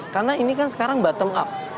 karena ini kan sekarang bottom up